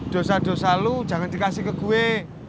dosa dosa lu jangan dikasih ke gue